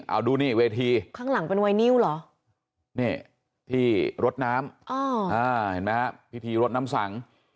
เอาดูนี่เวทีข้างหลังเป็นไวนิวเหรอนี่ที่รถน้ำเห็นไหมฮะพิธีรดน้ำสัง